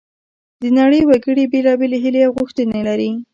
د نړۍ وګړي بیلابیلې هیلې او غوښتنې لري